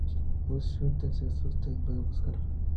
Basshunter se asusta y va a buscarla.